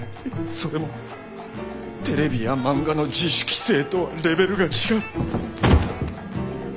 それもテレビや漫画の自主規制とはレベルが違う。